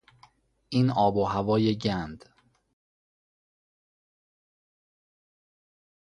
این آب و هوای گند